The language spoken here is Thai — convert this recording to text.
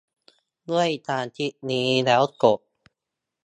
ด้วยการคลิกลิงก์นี้แล้วกด